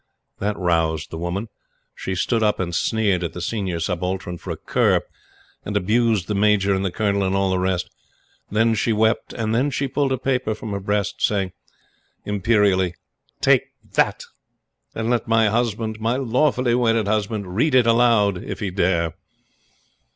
That roused the woman. She stood up and sneered at the Senior Subaltern for a cur, and abused the Major and the Colonel and all the rest. Then she wept, and then she pulled a paper from her breast, saying imperially: "Take that! And let my husband my lawfully wedded husband read it aloud if he dare!"